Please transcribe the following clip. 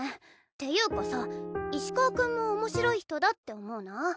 っていうかさ石川君も面白い人だって思うなぁ。